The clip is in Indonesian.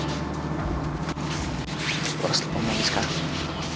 saya harus telepon mondi sekarang